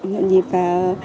nội nhịp và